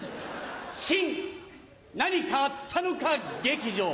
新何かあったのか劇場。